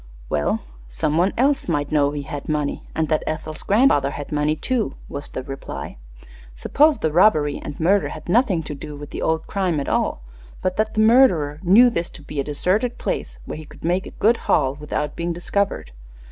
"Well, some one else might know he had money, and that Ethel's grandfather had money, too," was the reply. "Suppose the robbery and murder had nothing to do with the old crime at all, but that the murderer knew this to be a deserted place where he could make a good haul without being discovered.